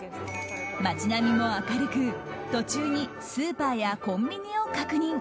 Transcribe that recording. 街並みも明るく途中にスーパーやコンビニを確認。